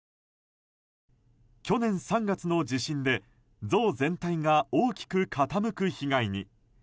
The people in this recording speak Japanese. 去年３月の地震で像全体が大きく傾く被害に。